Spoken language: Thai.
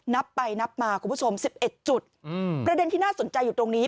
นับไปนับมาคุณผู้ชม๑๑จุดประเด็นที่น่าสนใจอยู่ตรงนี้